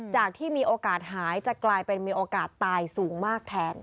ที่มีโอกาสหายจะกลายเป็นมีโอกาสตายสูงมากแทน